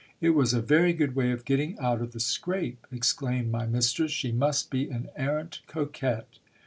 It was a very good way of getting out of the scrape, exclaimed my mistress, she must be an arrant coquette.